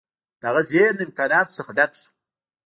د هغه ذهن د امکاناتو څخه ډک شو